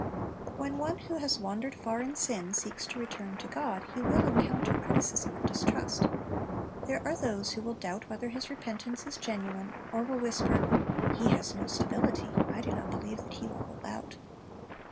When one who has wandered far in sin, seeks to return to God, he will encounter criticism and distrust. There are tho.se who will doubt whether his repentance is genuine, or will whisper, "He has no stability; I do not believe that he will hold out."